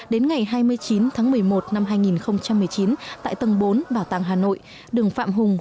đến ngày hai mươi chín tháng một mươi một năm hai nghìn một mươi chín tại tầng bốn bảo tàng hà nội đường phạm hùng